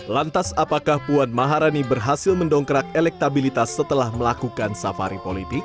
lantas apakah puan maharani berhasil mendongkrak elektabilitas setelah melakukan safari politik